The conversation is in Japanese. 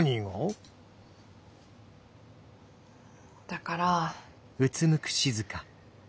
だから。